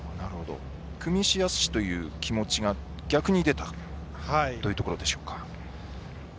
くみしやすしという気持ちが逆に出たというところでしょうか。